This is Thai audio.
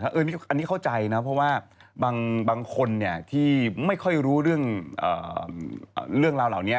อันนี้เข้าใจนะเพราะว่าบางคนที่ไม่ค่อยรู้เรื่องราวเหล่านี้